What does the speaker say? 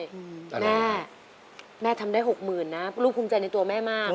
แม่แม่ทำได้๖หมื่นนะลูกคุ้มใจในตัวแม่มาก